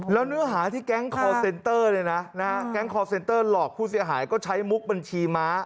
แล้วเนื้อหาที่แก๊งคอร์เซนเตอร์แก๊งคอร์เซ็นเตอร์หลอกผู้เสียหายก็ใช้มุกบัญชีม้า